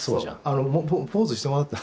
あのポーズしてもらった。